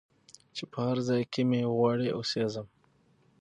چي په هرځای کي مي وغواړی او سېږم